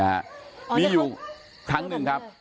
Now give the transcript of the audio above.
ฐานพระพุทธรูปทองคำ